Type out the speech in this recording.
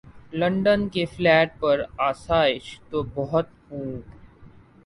London کے flat پر آسائش تو بہت ہوں۔